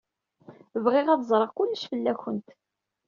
Bɣiɣ ad ẓreɣ kullec fell-awent.